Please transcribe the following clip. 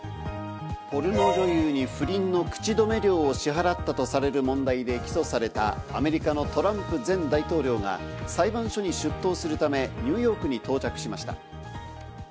ポルノ女優に不倫の口止め料を支払ったとされる問題で起訴されたアメリカのトランプ前大統領が裁判所に出頭するため、ニューヨークに到着しました。